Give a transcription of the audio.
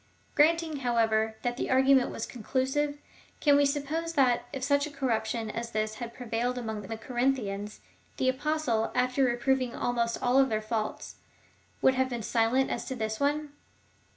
Granting, however, that the argument was conclusive, can we suppose that, if such a corruption as this had prevailed among the Corinthians, the Apostle, after reproving almost all their faults, would have been silent as to this one